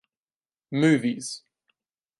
Movies!